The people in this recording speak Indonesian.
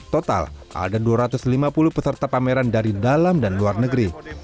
total ada dua ratus lima puluh peserta pameran dari dalam dan luar negeri